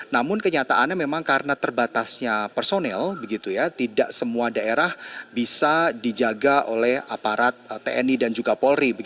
namun kenyataannya memang karena terbatasnya personel tidak semua daerah bisa dijaga oleh aparat tni dan juga polri